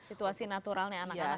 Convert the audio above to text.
situasi naturalnya anak anak